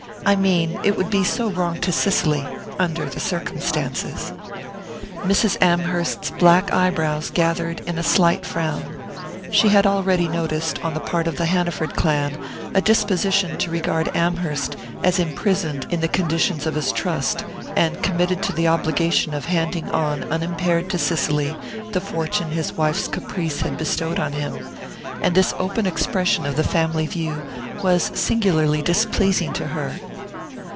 I mean, it would be so wrong to Cicely under the circumstances." Mrs. Amherst's black eye brows gathered in a slight frown. She had already noticed, on the part of the Hanaford clan, a disposition to regard Amherst as imprisoned in the conditions of his trust, and committed to the obligation of handing on unimpaired to Cicely the fortune his wife's caprice had bestowed on him; and this open expression of the family view was singularly displeasing to her.